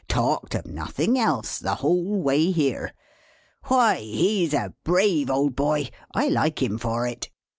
"Talked of nothing else, the whole way here. Why, he's a brave old boy. I like him for it!"